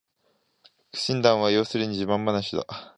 苦心談は要するに自慢ばなしだ